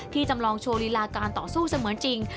จำลองโชว์ลีลาการต่อสู้เสมือนจริง